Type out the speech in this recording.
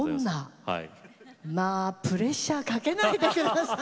プレッシャーをかけないでください。